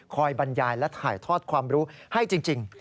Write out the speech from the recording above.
บรรยายและถ่ายทอดความรู้ให้จริง